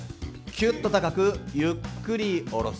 きゅっと高くゆっくり下ろす。